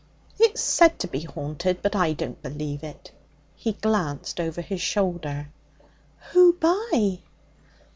'It's said to be haunted, but I don't believe it.' He glanced over his shoulder. 'Who by?'